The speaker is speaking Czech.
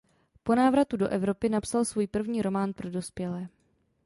Po návratu do Evropy napsal svůj první román pro dospělé.